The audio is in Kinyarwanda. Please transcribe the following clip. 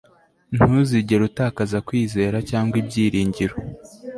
ntuzigere utakaza kwizera cyangwa ibyiringiro